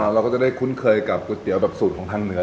เราก็จะได้คุ้นเคยกับก๋วยเตี๋ยวแบบสูตรของทางเหนือ